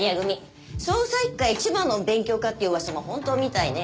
捜査一課一番の勉強家って噂も本当みたいね。